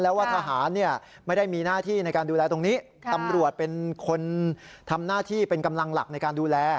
แล้วว่าทหารเนี่ยไม่ได้มีหน้าที่ในการดูแลตรงนี้ตำรวจเป็นคนทำหน้าที่เป็นกำลังหลักในการดูแล